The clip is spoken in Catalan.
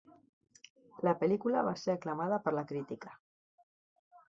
La pel·lícula va ser aclamada per la crítica.